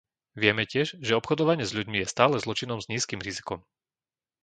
Vieme tiež, že obchodovanie s ľuďmi je stále zločinom s nízkym rizikom.